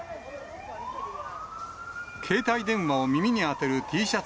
携帯電話を耳に当てるＴシャツ